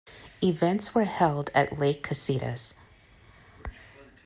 Events were held at Lake Casitas.